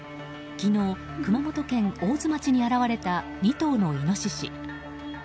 昨日、熊本県大津町に現れた２頭のイノシシ。